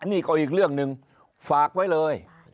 อันนี้ก็เอาอีกเรื่องนึงฝากไว้เลย